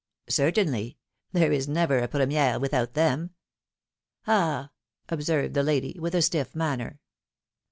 '^ Certainly. There is never a premise without them.^^ ^^Ah ! observed the lady, with a stiff manner.